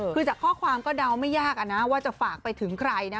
คือจากข้อความก็เดาไม่ยากนะว่าจะฝากไปถึงใครนะ